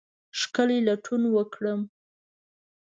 ښکلې لټون وکرم